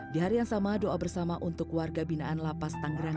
di hari yang sama doa bersama untuk warga binaan lapas tangerang